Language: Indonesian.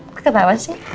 kakak ketawa sih